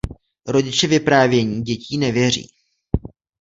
Rodiče vyprávění dětí nevěří.